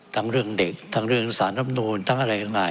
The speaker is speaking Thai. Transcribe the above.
ทั้งเรื่องเด็กทั้งเรื่องสารรับนูนทั้งอะไรต่าง